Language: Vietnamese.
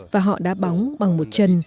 và họ đã bóng bằng một chân